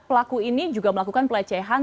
pelaku ini juga melakukan pelecehan